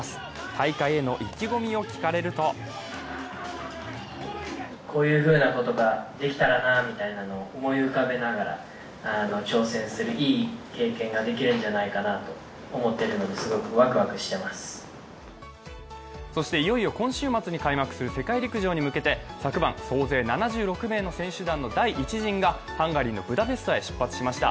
大会への意気込みを聞かれるとそしていよいよ今週末に開幕する世界陸上に向けて昨晩、総勢７６名の選手団の第１陣がハンガリーのブダペストへ出発しました。